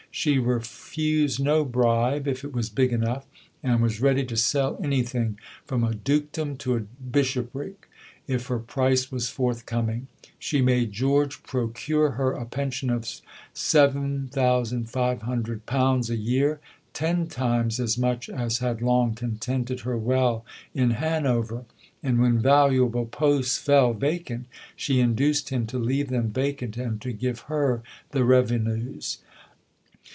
She refused no bribe if it was big enough and was ready to sell anything, from a Dukedom to a Bishopric, if her price was forthcoming. She made George procure her a pension of £7,500 a year (ten times as much as had long contented her well in Hanover); and when valuable posts fell vacant she induced him to leave them vacant and to give her the revenues.